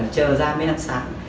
chờ ra mới ăn sáng